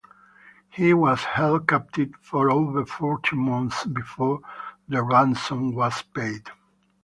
He was held captive for over fourteen months before the ransom was paid.